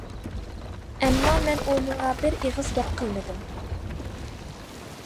ئەمما مەن ئۇنىڭغا بىر ئېغىز گەپ قىلمىدىم.